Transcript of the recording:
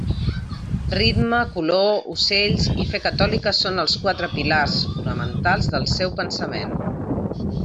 Ritme, color, ocells i fe catòlica són els quatre pilars fonamentals del seu pensament.